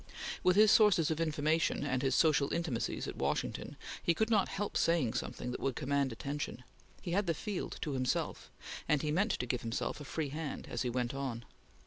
With his sources of information, and his social intimacies at Washington, he could not help saying something that would command attention. He had the field to himself, and he meant to give himself a free hand, as he went on.